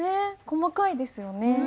細かいですよね。